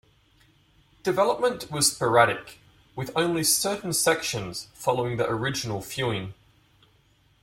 Development was sporadic with only certain sections following the original feuing.